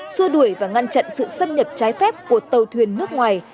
xua đuổi và ngăn chặn sự xâm nhập trái phép của tàu thuyền nước ngoài